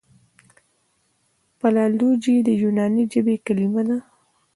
فلالوژي د یوناني ژبي کليمه ده.